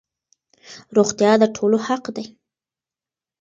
روغتيا د ټولو حق دی.